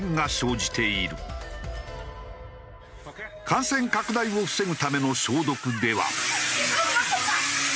感染拡大を防ぐための消毒では。